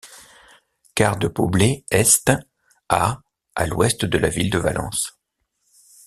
Quart de Poblet est à à l'ouest de la ville de Valence.